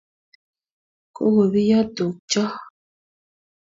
Kakobiyo tuk chok.